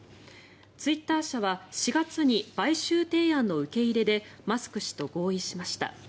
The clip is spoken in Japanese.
ツイッター社は４月に買収提案の受け入れでマスク氏と合意しました。